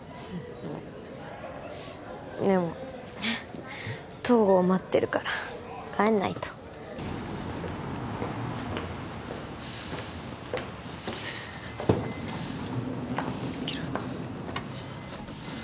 うんでも東郷待ってるから帰んないとすいません行ける？